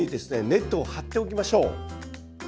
ネットを張っておきましょう。